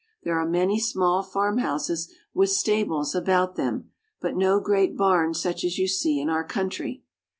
There are many small farmhouses with stables about them, but no great barns such as you see in our country.